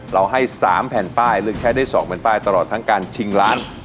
เราให้๓แผ่นป้ายเลือกใช้ได้๒แผ่นป้ายตลอดทั้งการชิงล้าน